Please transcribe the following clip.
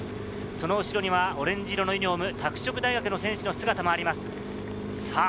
その後ろにはオレンジ色のユニホーム、拓殖大学の選手の姿もあります。